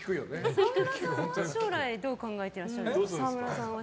沢村さんは将来どう考えいらっしゃるんですか？